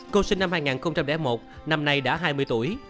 cô sinh năm hai nghìn một năm nay đã hai mươi tuổi